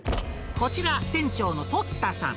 こちら、店長の時田さん。